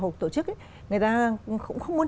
hoặc tổ chức ấy người ta cũng không muốn